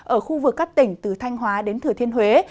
ở khu vực các tỉnh từ thanh hóa đến thừa thiên huế